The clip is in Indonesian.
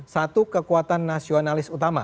satu kekuatan nasionalis utama